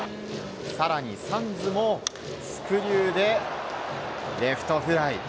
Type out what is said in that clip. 更にサンズもスクリューでレフトフライ。